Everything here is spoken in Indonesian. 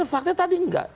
faktanya tadi tidak